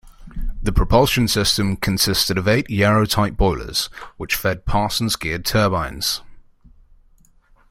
The propulsion system consisted of eight Yarrow-type boilers, which fed Parsons geared turbines.